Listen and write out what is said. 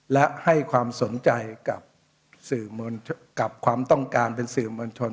และให้ความสนใจกับความต้องการเป็นสื่อมนตร์ชน